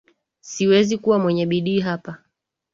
Siwezi kuwa mwenye bidii hapa.